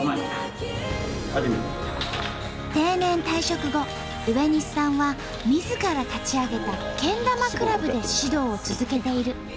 定年退職後植西さんはみずから立ち上げたけん玉クラブで指導を続けている。